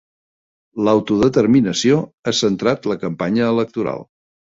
L'autodeterminació ha centrat la campanya electoral.